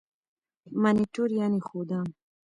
منیټور یعني ښودان.